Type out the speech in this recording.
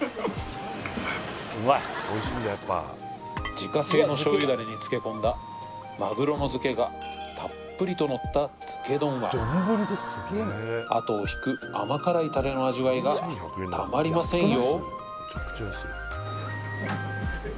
自家製の醤油ダレに漬け込んだマグロの漬けがたっぷりとのった漬け丼はあとをひく甘辛いタレの味わいがたまりませんよ